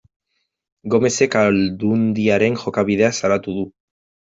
Gomezek Aldundiaren jokabidea salatu du.